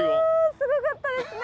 すごかったですね。